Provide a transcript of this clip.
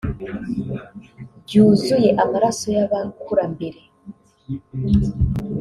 ryuzuye amaraso y’abakurambere